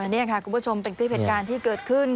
นี่ค่ะคุณผู้ชมเป็นคลิปเหตุการณ์ที่เกิดขึ้น